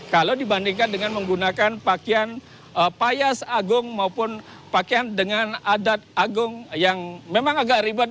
kalau dibandingkan dengan menggunakan pakaian payas agung maupun pakaian dengan adat agung yang memang agak ribet